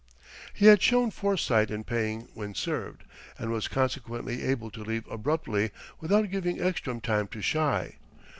He had shown foresight in paying when served, and was consequently able to leave abruptly, without giving Ekstrom time to shy.